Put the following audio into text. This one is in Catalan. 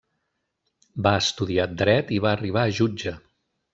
Va estudiar dret i va arribar a jutge.